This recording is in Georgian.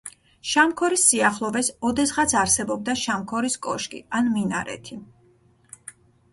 შამქორის სიახლოვეს ოდესღაც არსებობდა შამქორის კოშკი ან მინარეთი.